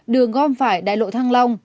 đường gom phải đại lộ thăng long